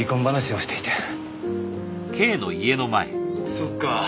そっか。